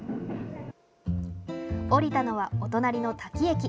降りたのはお隣の滝駅。